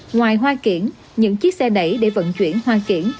ngoài hoa kiển những chiếc xe đẩy để vận chuyển hoa kiển